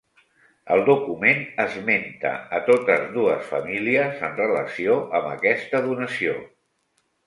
El document esmenta a totes dues famílies en relació amb aquesta donació.